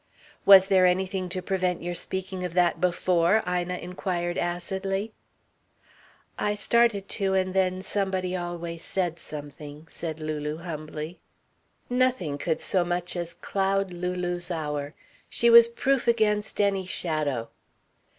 "Was there anything to prevent your speaking of that before?" Ina inquired acidly. "I started to and then somebody always said something," said Lulu humbly. Nothing could so much as cloud Lulu's hour. She was proof against any shadow.